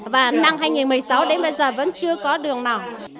và năm hai nghìn một mươi sáu đến bây giờ vẫn chưa có đường nào